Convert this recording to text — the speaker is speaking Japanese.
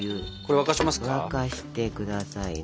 沸かして下さいな。